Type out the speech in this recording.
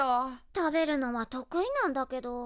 食べるのは得意なんだけど。